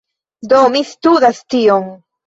Do, mi studas tion